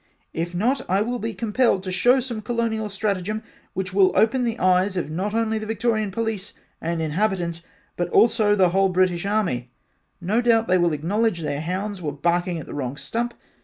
if not I will be compelled to show some colonial stratagem which will open the eyes of not only the Victoria Police and inhabitants but also the whole British army and now doubt they will acknowledge their hounds were barking at the wrong stump.